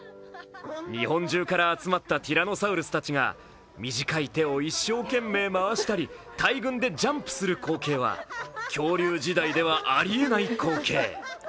日本中から集まったティラノサウルスたちが短い手を一生懸命回したり大群でジャンプする光景は恐竜時代ではあり得ない光景。